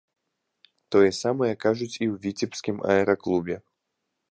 Тое самае кажуць і ў віцебскім аэраклубе.